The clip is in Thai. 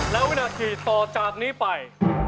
และวินาทีต่อจากนี้ไป